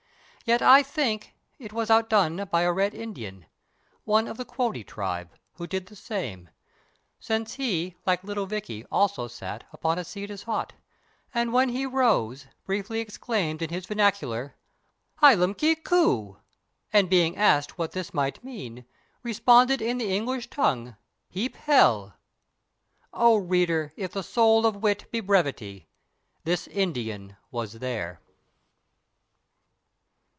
Yet I think It was outdone by a Red Indian— One of the Quoddy tribe—who did the same; Since he, like "little Vicky," also sat Upon a seat as hot; and when he rose, Briefly exclaimed in his vernacular:— "H'lam kikqu'!" and being asked what this Might mean, responded in the English tongue: "Heap hell!" O reader! if the soul of wit Be brevity, this Indian was there.